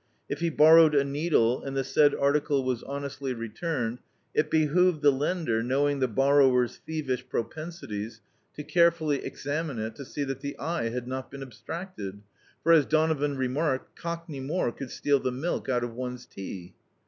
If he borrowed a needle, and the said article was honestly returned, it behoved the lender, knowing the borrower's thievish propensities, to carefully ex amine it to see that the eye had not been abstracted; for, as Donovan remarked — "Cockney More could steal the milk out of one's tea."